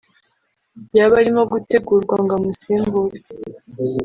yaba arimo gutegurwa ngo amusimbure